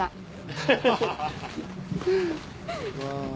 ハハハハ。